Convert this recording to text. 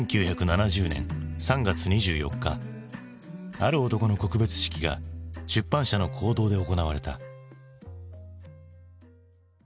ある男の告別式が出版社の講堂で行われた。